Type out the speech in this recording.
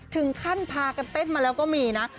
ถึงขั้นพากันเต้นมาแล้วก็มีนะ